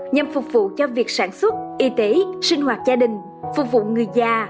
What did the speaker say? nhằm phục vụ cho việc sản xuất y tế sinh hoạt gia đình phục vụ người già